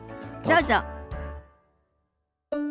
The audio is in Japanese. どうぞ。